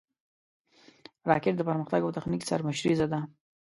راکټ د پرمختګ او تخنیک سرمشریزه ده